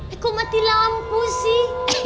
eh kok mati lampu sih